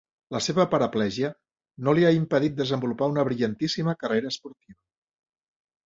La seva paraplegia no li ha impedit desenvolupar una brillantíssima carrera esportiva.